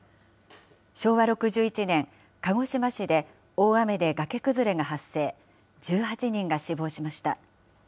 昭和６１年、鹿児島市で、大雨で崖崩れが発生、１８人が死亡しました。